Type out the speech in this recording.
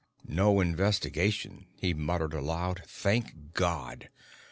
"No investigation," he muttered aloud, "thank God!